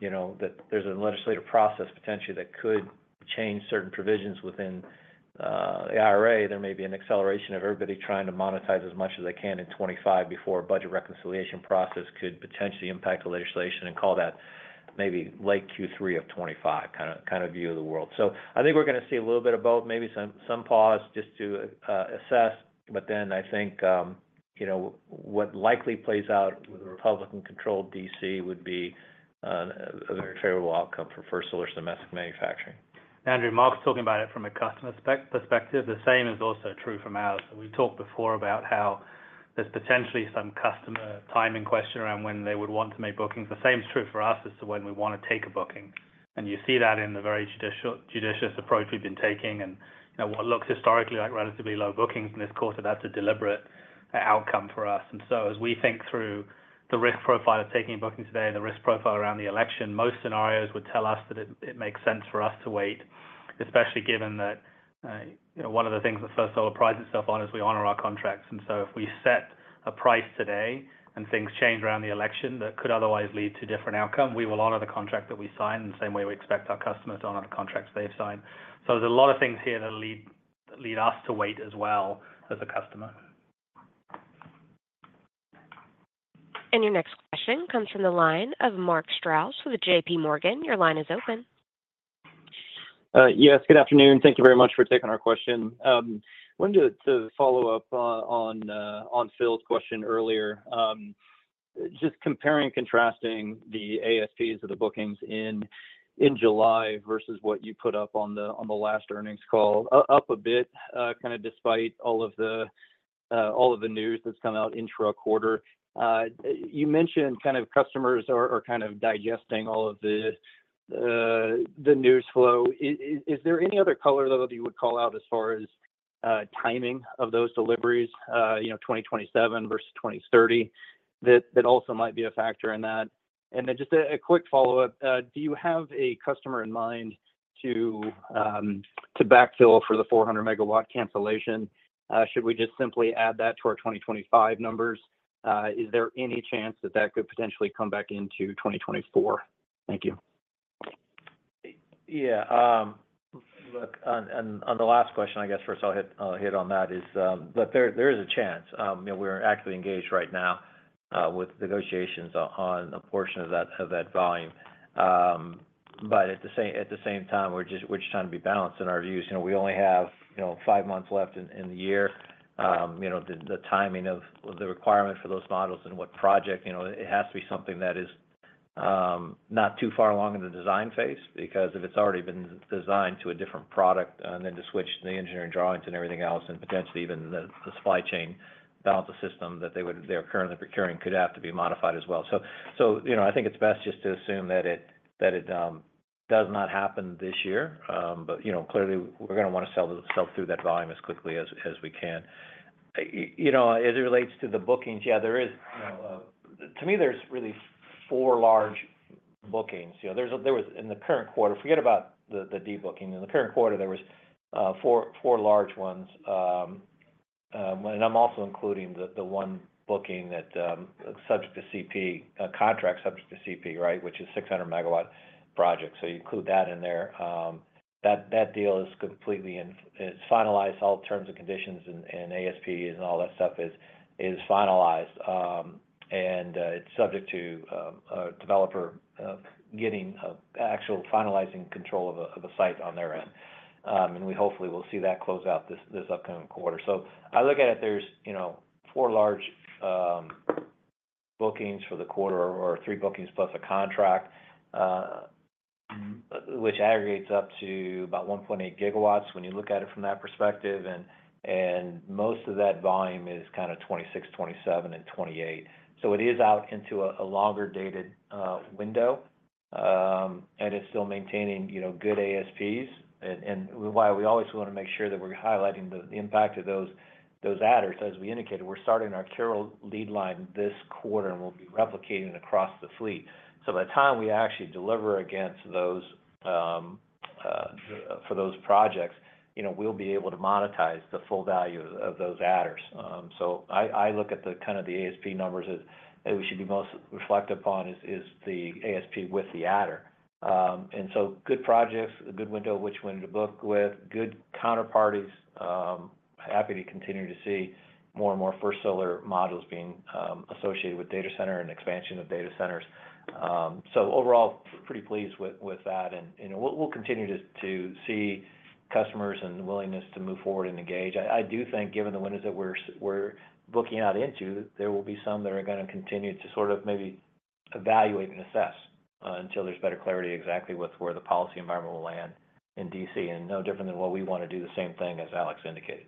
there's a legislative process potentially that could change certain provisions within the IRA. There may be an acceleration of everybody trying to monetize as much as they can in 2025 before a budget reconciliation process could potentially impact the legislation and call that maybe late Q3 of 2025 kind of view of the world. So I think we're going to see a little bit of both, maybe some pause just to assess. But then I think what likely plays out with a Republican-controlled D.C. would be a very favorable outcome for First Solar's domestic manufacturing. Andrew, Mark's talking about it from a customer perspective. The same is also true from ours. We've talked before about how there's potentially some customer timing question around when they would want to make bookings. The same is true for us as to when we want to take a booking. You see that in the very judicious approach we've been taking and what looks historically like relatively low bookings in this quarter. That's a deliberate outcome for us. So as we think through the risk profile of taking bookings today, the risk profile around the election, most scenarios would tell us that it makes sense for us to wait, especially given that one of the things that First Solar prides itself on is we honor our contracts. So if we set a price today and things change around the election that could otherwise lead to a different outcome, we will honor the contract that we signed in the same way we expect our customers to honor the contracts they've signed. So there's a lot of things here that lead us to wait as well as a customer. Your next question comes from the line of Mark Strouse with J.P. Morgan. Your line is open. Yes. Good afternoon. Thank you very much for taking our question. I wanted to follow up on Phil's question earlier. Just comparing and contrasting the ASPs of the bookings in July versus what you put up on the last earnings call, up a bit kind of despite all of the news that's come out intra-quarter. You mentioned kind of customers are kind of digesting all of the news flow. Is there any other color, though, that you would call out as far as timing of those deliveries, 2027 versus 2030, that also might be a factor in that? And then just a quick follow-up. Do you have a customer in mind to backfill for the 400-MW cancellation? Should we just simply add that to our 2025 numbers? Is there any chance that that could potentially come back into 2024? Thank you. Yeah. Look, on the last question, I guess first I'll hit on that is that there is a chance. We're actively engaged right now with negotiations on a portion of that volume. But at the same time, we're just trying to be balanced in our views. We only have five months left in the year. The timing of the requirement for those modules and what the project, it has to be something that is not too far along in the design phase because if it's already been designed to a different product and then to switch to the engineering drawings and everything else and potentially even the supply chain, balance of system that they are currently procuring could have to be modified as well. So I think it's best just to assume that it does not happen this year. But clearly, we're going to want to sell through that volume as quickly as we can. As it relates to the bookings, yeah, there is to me, there's really four large bookings. There was in the current quarter, forget about the debooking. In the current quarter, there were four large ones. And I'm also including the one booking that's subject to CP, contract subject to CP, right, which is 600 MW project. So you include that in there. That deal is completely finalized. All terms and conditions and ASPs and all that stuff is finalized. And it's subject to a developer getting actual finalizing control of a site on their end. And we hopefully will see that close out this upcoming quarter. So I look at it, there's four large bookings for the quarter or three bookings plus a contract, which aggregates up to about 1.8 GW when you look at it from that perspective. And most of that volume is kind of 2026, 2027, and 2028. So it is out into a longer-dated window. And it's still maintaining good ASPs. And why we always want to make sure that we're highlighting the impact of those adjusters. As we indicated, we're starting our CuRe lead line this quarter and we'll be replicating across the fleet. So by the time we actually deliver against those for those projects, we'll be able to monetize the full value of those adders. So I look at kind of the ASP numbers as we should be most reflected upon is the ASP with the adder. And so good projects, a good window of which window to book with, good counterparties. Happy to continue to see more and more First Solar modules being associated with data center and expansion of data centers. So overall, pretty pleased with that. And we'll continue to see customers and willingness to move forward and engage. I do think given the windows that we're booking out into, there will be some that are going to continue to sort of maybe evaluate and assess until there's better clarity exactly where the policy environment will land in D.C. and no different than what we want to do the same thing as Alex indicated.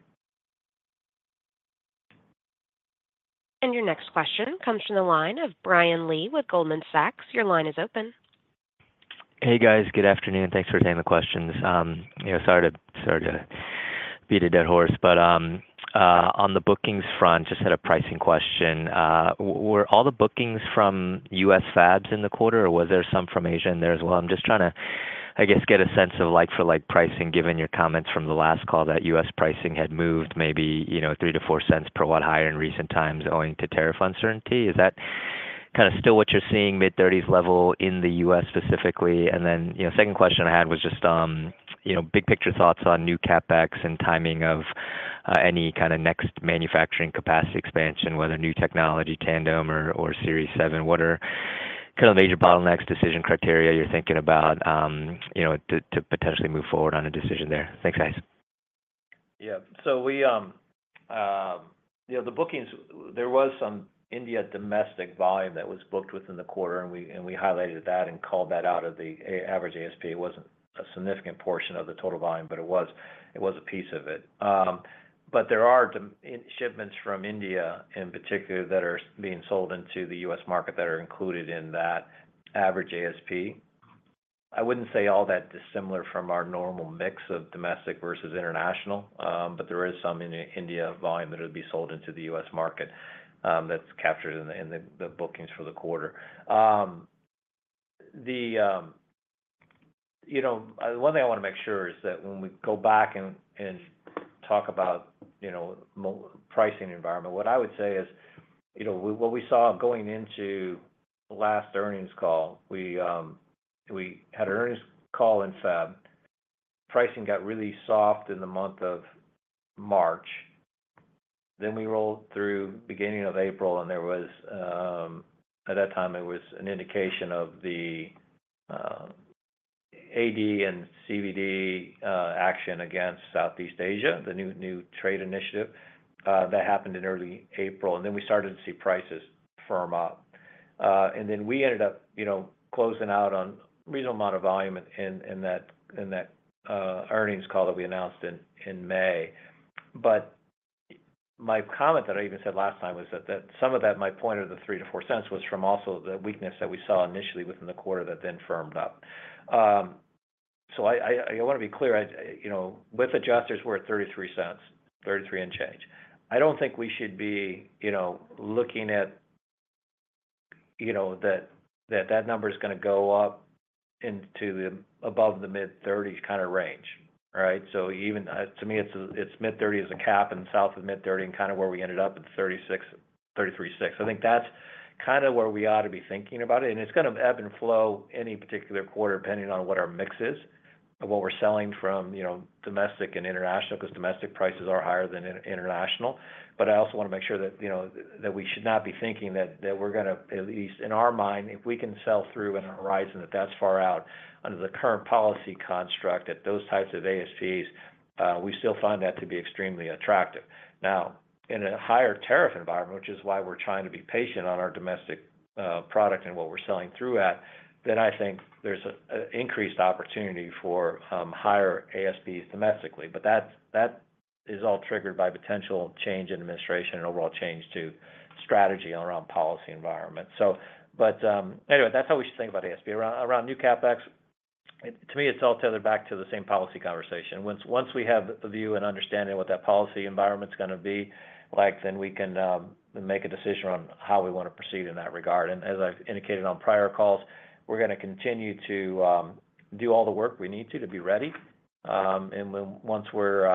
And your next question comes from the line of Brian Lee with Goldman Sachs. Your line is open. Hey, guys. Good afternoon. Thanks for taking the questions. Sorry to beat a dead horse. But on the bookings front, just had a pricing question. Were all the bookings from U.S. fabs in the quarter, or was there some from Asia in there as well? I'm just trying to, I guess, get a sense of like-for-like pricing given your comments from the last call that U.S. pricing had moved maybe $0.03-$0.04 per watt higher in recent times owing to tariff uncertainty. Is that kind of still what you're seeing, mid-30s level in the U.S. specifically? And then second question I had was just big picture thoughts on new CapEx and timing of any kind of next manufacturing capacity expansion, whether new technology, tandem, or Series 7. What are kind of major bottlenecks, decision criteria you're thinking about to potentially move forward on a decision there? Thanks, guys. Yeah. The bookings, there was some India domestic volume that was booked within the quarter. We highlighted that and called that out of the average ASP. It wasn't a significant portion of the total volume, but it was a piece of it. There are shipments from India in particular that are being sold into the U.S. market that are included in that average ASP. I wouldn't say all that dissimilar from our normal mix of domestic versus international. There is some India volume that will be sold into the U.S. market that's captured in the bookings for the quarter. The one thing I want to make sure is that when we go back and talk about pricing environment, what I would say is what we saw going into last earnings call. We had an earnings call in February. Pricing got really soft in the month of March. Then we rolled through beginning of April. And at that time, it was an indication of the AD and CVD action against Southeast Asia, the new trade initiative that happened in early April. And then we started to see prices firm up. And then we ended up closing out on a reasonable amount of volume in that earnings call that we announced in May. But my comment that I even said last time was that some of that, my point of the $0.03-$0.04 was from also the weakness that we saw initially within the quarter that then firmed up. So I want to be clear. With adjusters, we're at $0.33, $0.33 and change. I don't think we should be looking at that number is going to go up into above the mid-30s kind of range, right? So to me, it's mid-30s as a cap and south of mid-30s and kind of where we ended up at 33.6 cents. I think that's kind of where we ought to be thinking about it. And it's going to ebb and flow any particular quarter depending on what our mix is of what we're selling from domestic and international because domestic prices are higher than international. But I also want to make sure that we should not be thinking that we're going to, at least in our mind, if we can sell through a horizon that's far out under the current policy construct, that those types of ASPs we still find that to be extremely attractive. Now, in a higher tariff environment, which is why we're trying to be patient on our domestic product and what we're selling through at, then I think there's an increased opportunity for higher ASPs domestically. But that is all triggered by potential change in administration and overall change to strategy around policy environment. But anyway, that's how we should think about ASP. Around new CapEx, to me, it's all tethered back to the same policy conversation. Once we have a view and understanding of what that policy environment's going to be like, then we can make a decision on how we want to proceed in that regard. And as I've indicated on prior calls, we're going to continue to do all the work we need to be ready. And once we're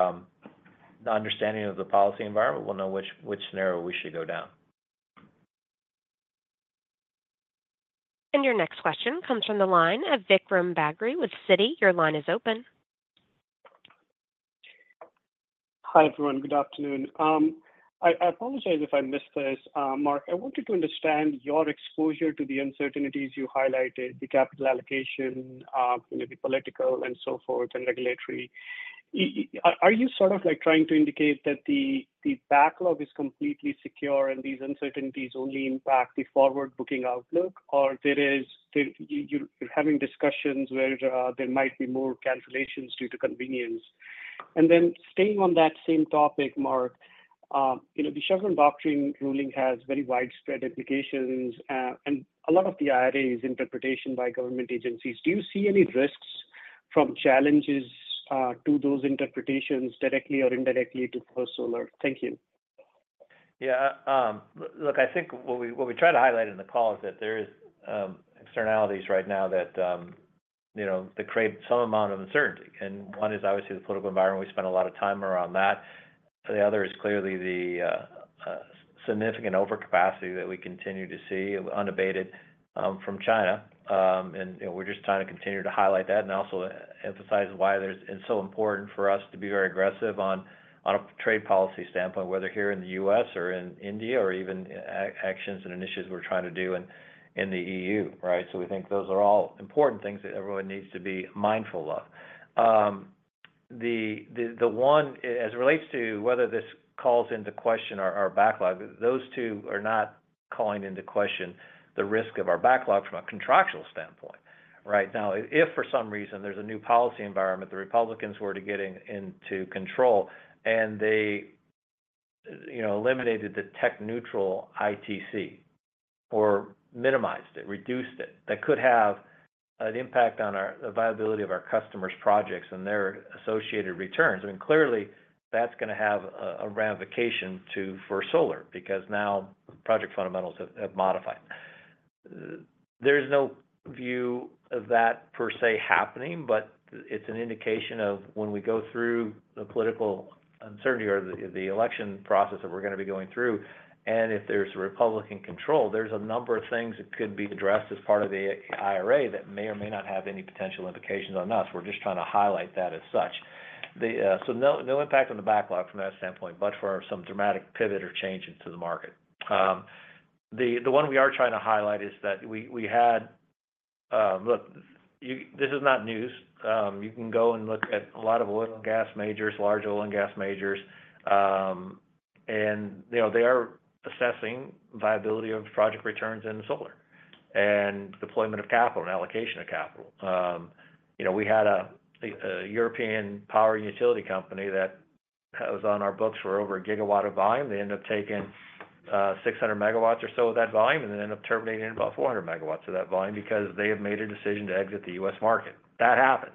understanding of the policy environment, we'll know which scenario we should go down. And your next question comes from the line of Vikram Bagri with Citi. Your line is open. Hi, everyone. Good afternoon. I apologize if I missed this, Mark. I want you to understand your exposure to the uncertainties you highlighted, the capital allocation, the political, and so forth, and regulatory. Are you sort of trying to indicate that the backlog is completely secure and these uncertainties only impact the forward-looking outlook, or you're having discussions where there might be more calculations due to convenience? And then staying on that same topic, Mark, the Chevron doctrine ruling has very widespread implications and a lot of the IRA's interpretation by government agencies. Do you see any risks from challenges to those interpretations directly or indirectly to First Solar? Thank you. Yeah. Look, I think what we try to highlight in the call is that there are externalities right now that create some amount of uncertainty. And one is obviously the political environment. We spent a lot of time around that. The other is clearly the significant overcapacity that we continue to see unabated from China. And we're just trying to continue to highlight that and also emphasize why it's so important for us to be very aggressive on a trade policy standpoint, whether here in the U.S. or in India or even actions and initiatives we're trying to do in the EU, right? So we think those are all important things that everyone needs to be mindful of. The one, as it relates to whether this calls into question our backlog, those two are not calling into question the risk of our backlog from a contractual standpoint, right? Now, if for some reason there's a new policy environment, the Republicans were to get into control and they eliminated the tech-neutral ITC or minimized it, reduced it, that could have an impact on the viability of our customers' projects and their associated returns. I mean, clearly, that's going to have a ramification for Solar because now project fundamentals have modified. There is no view of that per se happening, but it's an indication of when we go through the political uncertainty or the election process that we're going to be going through, and if there's Republican control, there's a number of things that could be addressed as part of the IRA that may or may not have any potential implications on us. We're just trying to highlight that as such. So no impact on the backlog from that standpoint, but for some dramatic pivot or change into the market. The one we are trying to highlight is that we had, look, this is not news. You can go and look at a lot of oil and gas majors, large oil and gas majors. They are assessing viability of project returns in solar and deployment of capital and allocation of capital. We had a European power and utility company that was on our books for over 1 gigawatt of volume. They ended up taking 600 megawatts or so of that volume and then ended up terminating about 400 megawatts of that volume because they have made a decision to exit the U.S. market. That happens.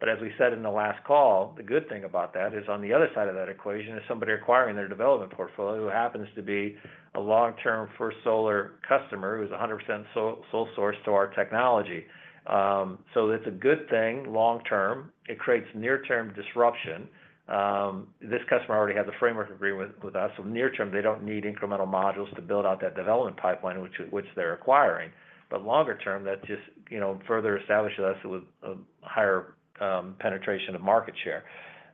But as we said in the last call, the good thing about that is on the other side of that equation is somebody acquiring their development portfolio who happens to be a long-term First Solar customer who is 100% sole source to our technology. So it's a good thing long-term. It creates near-term disruption. This customer already has a framework agreement with us. So near-term, they don't need incremental modules to build out that development pipeline, which they're acquiring. But longer-term, that just further establishes us with a higher penetration of market share.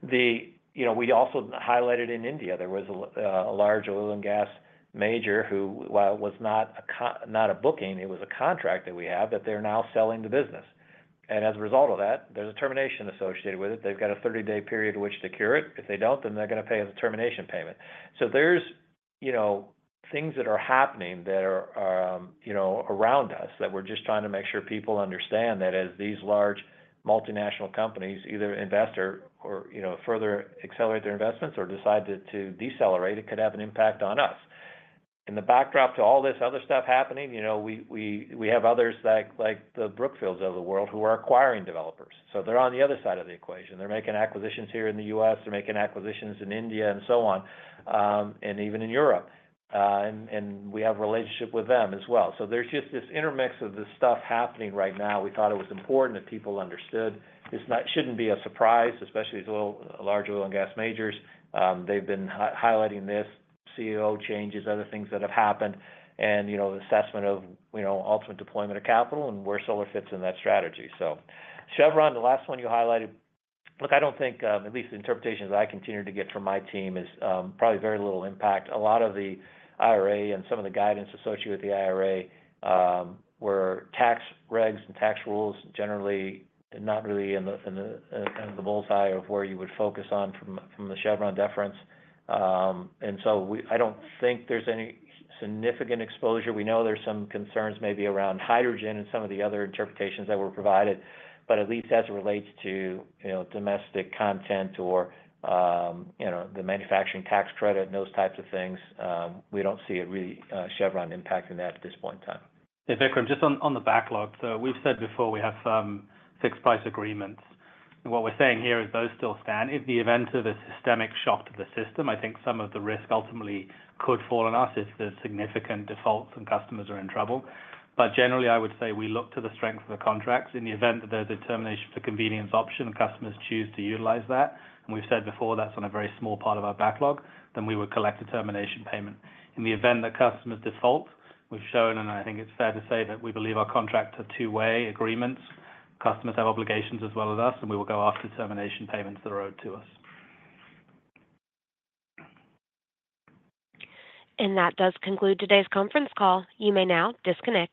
We also highlighted in India, there was a large oil and gas major who, while it was not a booking, it was a contract that we have, that they're now selling the business. And as a result of that, there's a termination associated with it. They've got a 30-day period in which to cure it. If they don't, then they're going to pay us a termination payment. So there's things that are happening that are around us that we're just trying to make sure people understand that as these large multinational companies either invest or further accelerate their investments or decide to decelerate, it could have an impact on us. In the backdrop to all this other stuff happening, we have others like the Brookfields of the world who are acquiring developers. So they're on the other side of the equation. They're making acquisitions here in the U.S. They're making acquisitions in India and so on, and even in Europe. And we have a relationship with them as well. So there's just this intermix of this stuff happening right now. We thought it was important that people understood. It shouldn't be a surprise, especially these large oil and gas majors. They've been highlighting this, CEO changes, other things that have happened, and the assessment of ultimate deployment of capital and where Solar fits in that strategy. So Chevron, the last one you highlighted, look, I don't think, at least the interpretation that I continue to get from my team is probably very little impact. A lot of the IRA and some of the guidance associated with the IRA were tax regs and tax rules generally not really in the bull's eye of where you would focus on from the Chevron deference. And so I don't think there's any significant exposure. We know there's some concerns maybe around hydrogen and some of the other interpretations that were provided. But at least as it relates to domestic content or the manufacturing tax credit and those types of things, we don't see really Chevron impacting that at this point in time. Hey, Vikram, just on the backlog. So we've said before we have fixed price agreements. And what we're saying here is those still stand. In the event of a systemic shock to the system, I think some of the risk ultimately could fall on us if there's significant defaults and customers are in trouble. But generally, I would say we look to the strength of the contracts. In the event that there's a termination for convenience option and customers choose to utilize that, and we've said before that's on a very small part of our backlog, then we would collect a termination payment. In the event that customers default, we've shown, and I think it's fair to say that we believe our contracts are two-way agreements. Customers have obligations as well as us, and we will go after termination payments that are owed to us. That does conclude today's conference call. You may now disconnect.